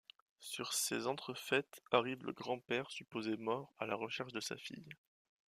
Sur ces entrefaites arrive le grand-père supposé mort à la recherche de sa fille.